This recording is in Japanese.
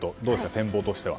展望としては。